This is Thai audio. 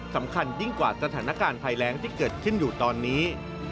สำคัญยิ่งกว่าสถานการณ์ภัยแรงที่เกิดขึ้นอยู่ตอนนี้